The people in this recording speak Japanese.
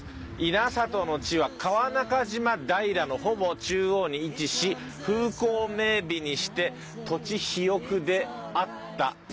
「稲里の地は川中島平のほぼ中央に位置し風光明媚にして土地肥沃であった」